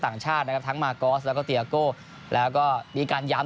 คุณเจนน้องนะครับวันนี้เราสู้เต็มที่นะครับ